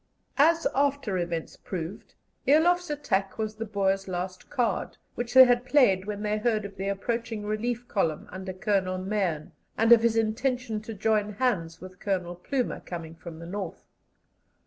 As after events proved, Eloff's attack was the Boers' last card, which they had played when they heard of the approaching relief column under Colonel Mahon, and of his intention to join hands with Colonel Plumer, coming from the North.